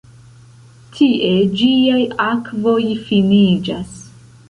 Tie ĝiaj akvoj finiĝas.